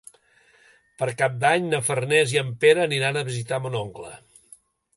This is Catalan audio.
Per Cap d'Any na Farners i en Pere aniran a visitar mon oncle.